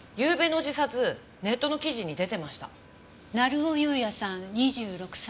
成尾優也さん２６歳。